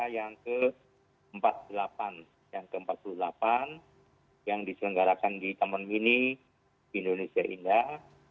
yang ke empat puluh delapan yang diselenggarakan di taman mini indonesia indah